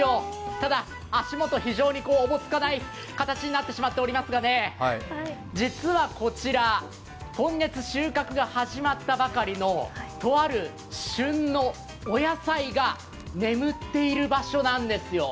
ただ、足元、非常におぼつかない形になってしまっておりますがね実はこちら、今月収穫が始まったばかりのとある旬のお野菜が眠っている場所なんですよ。